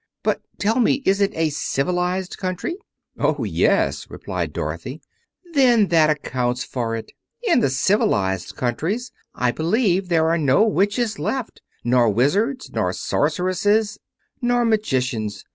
But tell me, is it a civilized country?" "Oh, yes," replied Dorothy. "Then that accounts for it. In the civilized countries I believe there are no witches left, nor wizards, nor sorceresses, nor magicians.